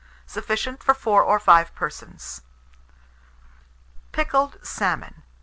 Sufficient for 4 or 5 persons. PICKLED SALMON.